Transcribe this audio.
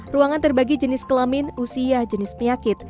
ruangan terbagi jenis kelamin usia jenis penyakit